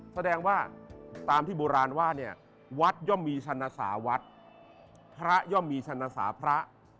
แสดงว่าตามที่โบราณว่าเนี่ยวัดย่อมมีชนะสาวัดพระย่อมมีชนะสาพระ